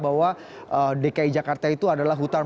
bahwa dki jakarta itu adalah hutan